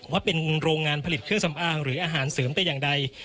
ว่าเป็นโรงงานผลิตเครื่องสำอางหรืออาหารเสริมแต่อย่างใด